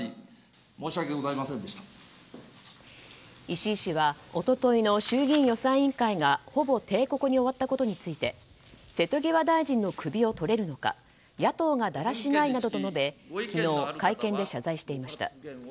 石井氏は一昨日の衆議院予算委員会がほぼ定刻に終わったことについて瀬戸際大臣の首をとれるのか野党がだらしないなどと述べ昨日、会見で謝罪していました。